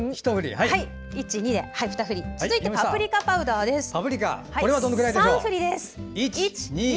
続いてパプリカパウダーは３ふりです。